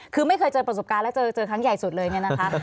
คือไม่เคยเจอประสบการณ์แล้วเจอครั้งใหญ่สุดเลยเนี่ยนะคะ